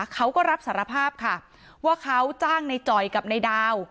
เขาก็รับสารภาพค่ะว่าเขาจ้างในจ่อยกับนายดาว